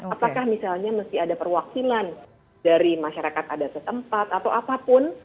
apakah misalnya mesti ada perwakilan dari masyarakat adat setempat atau apapun